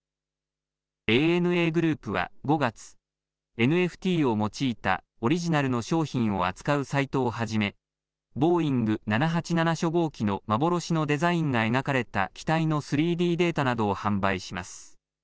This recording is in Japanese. ＡＮＡグループは５月、ＮＦＴを用いたオリジナルの商品を扱うサイトを始めボーイング７８７初号機の幻のデザインが描かれた機体の３Ｄデータなどを販売します。